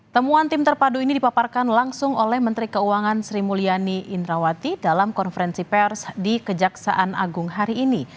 temuan tim terpadu ini dipaparkan langsung oleh menteri keuangan sri mulyani indrawati dalam konferensi pers di kejaksaan agung hari ini